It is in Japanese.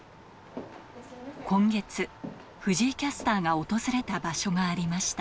今月、藤井キャスターが訪れた場所がありました。